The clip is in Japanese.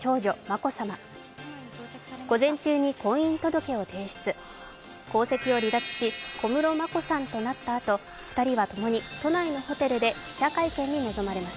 皇籍を離脱し、小室眞子さんとなったあと、２人とともに都内のホテルで記者会見に臨まれます。